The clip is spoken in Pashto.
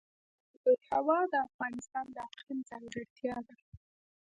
آب وهوا د افغانستان د اقلیم ځانګړتیا ده.